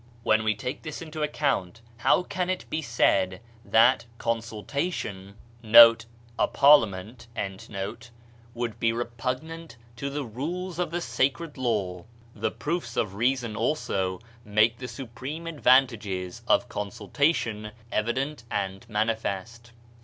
When we take this into account how can it be said that consultation * would be repugnant to the rules of the sacred law? The proofs of reason also make the supreme advantages of consultation evident and manifest.